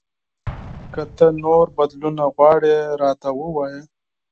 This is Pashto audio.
که ته نور بدلونونه غواړې، راته ووایه !